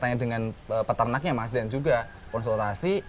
tanya tanya dengan peternaknya mas zain juga konsultasi